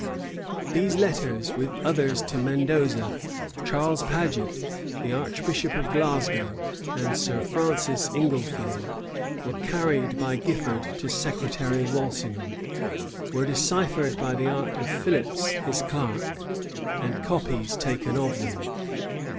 These letters, with others to Mendoza, Charles Paget, the archbishop of Glasgow, and Sir Francis Inglefield, were carried by Gifford to Secretary Walsingham; were deciphered by the art of Philips, his clerk; and copies taken of them.